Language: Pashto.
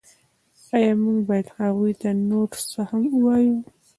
ایا موږ باید هغوی ته نور څه هم ووایو